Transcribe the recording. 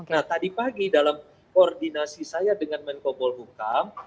nah tadi pagi dalam koordinasi saya dengan menkobol bukam